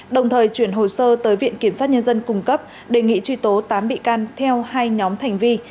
đồng thời chuyển hồ sơ tới viện kiểm sát nhân dân cung cấp đề nghị truy tố tám bị can theo hai nhóm thành vi